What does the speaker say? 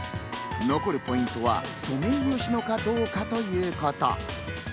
残るポイントはソメイヨシノかどうかということ。